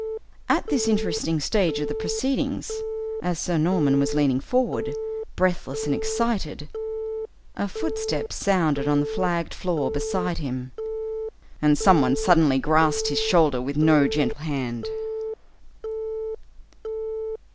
At this interesting stage of the proceedings, as Sir Norman was leaning forward, breathless and excited, a footstep sounded on the flagged floor beside him, and some one suddenly grasped his shoulder with no gentle hand.